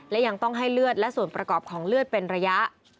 และยังต้องให้เลือดและส่วนประกอบของเลือดเป็นระยะ